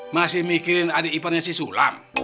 masih mikirin adik iparnya si sulam